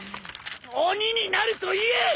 鬼になると言え！